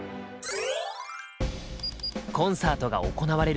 コンサートが行われる日。